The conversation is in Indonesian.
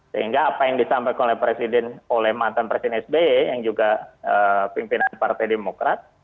sehingga apa yang disampaikan oleh presiden oleh mantan presiden sby yang juga pimpinan partai demokrat